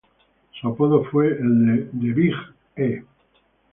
Su apodo fue el de "The big E".